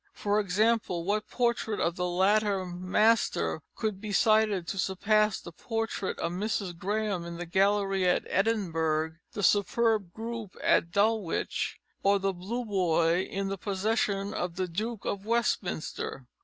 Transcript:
For example, what portrait of the latter master could be cited to surpass the portrait of Mrs. Graham in the Gallery at Edinburgh, the superb group at Dulwich, or the "Blue Boy," in the possession of the Duke of Westminster?